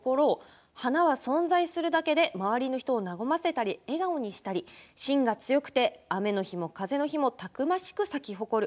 花は存在するだけで周りの人を和ませたり笑顔にしたり芯が強くて雨の日も風の日もたくましく咲き誇る。